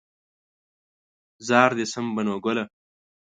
زار دې شم بنو ګله